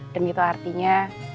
dan itu artinya